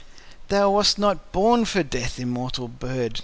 Thou wast not born for death, immortal Bird!